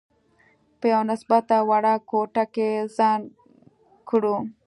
په یوه نسبتاً وړه کوټه کې ځای کړو.